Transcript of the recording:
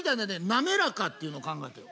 なめらかっていうの考えてん。